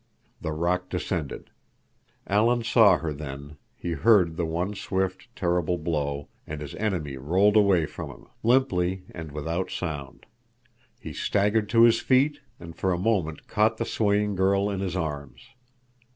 The rock descended. Alan saw her then; he heard the one swift, terrible blow, and his enemy rolled away from him, limply and without sound. He staggered to his feet and for a moment caught the swaying girl in his arms.